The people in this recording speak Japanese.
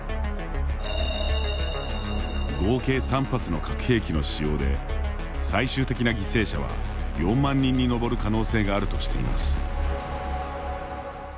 合計３発の核兵器の使用で最終的な犠牲者は４万人に上る可能性があるとしています。